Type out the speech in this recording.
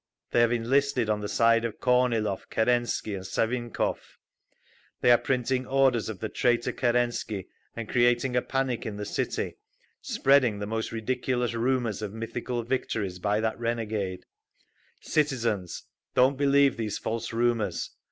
They have enlisted on the side of Kornilov, Kerensky and Savinkov…. They are printing orders of the traitor Kerensky and creating a panic in the city, spreading the most ridiculous rumours of mythical victories by that renegade…. Citizens! Don't believe these false rumours.